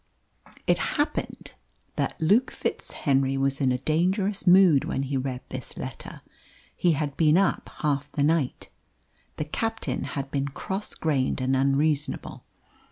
It happened that Luke FitzHenry was in a dangerous mood when he read this letter. He had been up half the night. The captain had been cross grained and unreasonable.